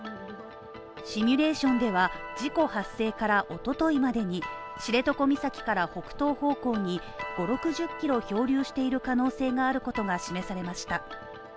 シミュレーションでは、事故発生からおとといまでに知床岬から北東方向に５０６０ｋｍ漂流している可能性があることが示されました。